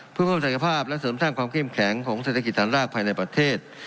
เพื่อเพิ่มศักยภาพและเสริมสร้างความเข้มแข็งของเศรษฐกิจฐานรากภายในประเทศ